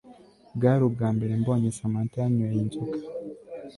Bwari ubwambere mbonye Samantha yanyweye inzoga